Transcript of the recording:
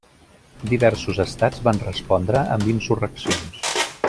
Diversos estats van respondre amb insurreccions.